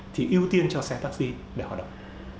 thì ưu tiên cho xe taxi để hoạt động